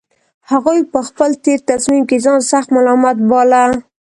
هغوی په خپل تېر تصميم کې ځان سخت ملامت باله